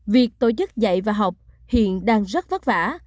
việc tổ chức dạy và học hiện đang rất vất vả